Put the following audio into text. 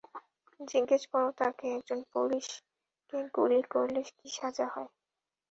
জিজ্ঞেস কর তাকে একজন পুলিশকে গুলি করলে কি সাজা হয়।